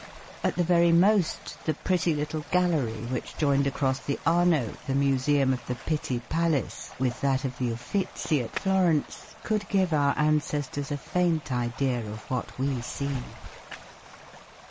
At the very most the pretty little gallery which joined across the Arno, the museum of the Pitti Palace, with that of the Uffizi at Florence, could give our ancestors a faint idea of what we see.